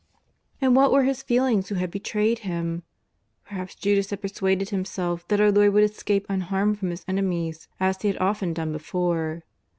And what were his feelings who had betrayed Him? Perhaps Judas had persuaded himself that our Lord would escape unharmed from His enemies as He had often done before.